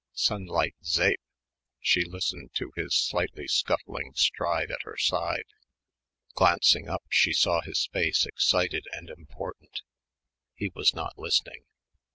Sunlight Zeep!" She listened to his slightly scuffling stride at her side. Glancing up she saw his face excited and important. He was not listening.